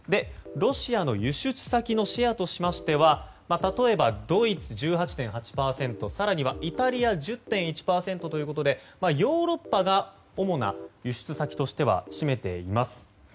ロシアの輸出先のシェアとしましては例えばドイツ、１８．８％更には、イタリア１０．１％ということでヨーロッパが主な輸出先としては占めています。